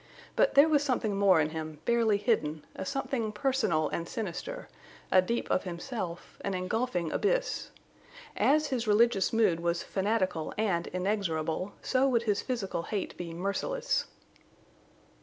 But there was something more in him, barely hidden, a something personal and sinister, a deep of himself, an engulfing abyss. As his religious mood was fanatical and inexorable, so would his physical hate be merciless.